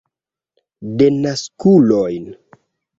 Denaskulojn!